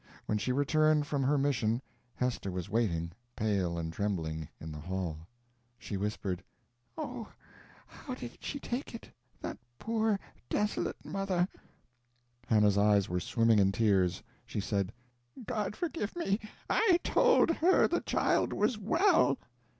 When she returned from her mission, Hester was waiting, pale and trembling, in the hall. She whispered: "Oh, how did she take it that poor, desolate mother?" Hannah's eyes were swimming in tears. She said: "God forgive me, I told her the child was well!"